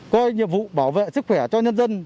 coi nhiệm vụ bảo vệ sức khỏe cho nhân dân